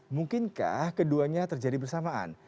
mungkinkah keduanya terjadi bersamaan